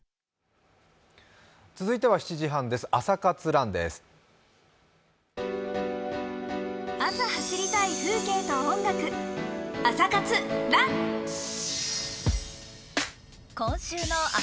続いては７時半です「朝活ＲＵＮ」です。